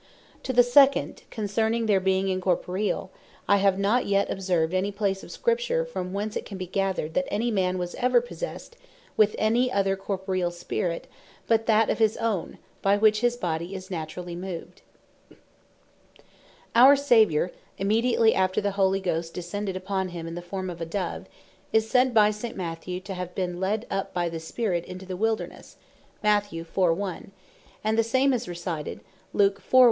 To the second, concerning their being Incorporeall, I have not yet observed any place of Scripture, from whence it can be gathered, that any man was ever possessed with any other Corporeal Spirit, but that of his owne, by which his body is naturally moved. The Scriptures Doe Not Teach That Spirits Are Incorporeall Our Saviour, immediately after the Holy Ghost descended upon him in the form of a Dove, is said by St. Matthew (Chapt. 4. 1.) to have been "led up by the Spirit into the Wildernesse;" and the same is recited (Luke 4. 1.)